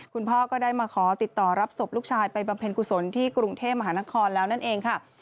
คุณพ่อก็ได้มาขอติดต่อรับศพลูกชายไปบำเพ็ญกุศลที่กรุงเทพมหานครแล้วนั่นเองค่ะ